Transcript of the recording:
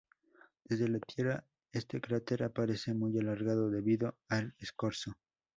Desde la Tierra este cráter aparece muy alargado debido al escorzo.